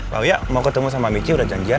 pak uya mau ketemu sama michi udah janjian